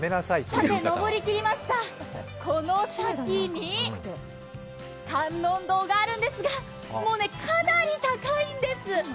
上り切りました、この先に観音堂があるんですがもうね、かなり高いんです。